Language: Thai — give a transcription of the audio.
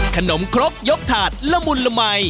นครกยกถาดละมุนละมัย